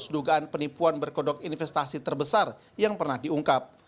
ketika dianggap penipuan berkodok investasi terbesar yang pernah diungkap